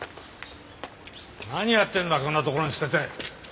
何やってんだこんなところに捨てて。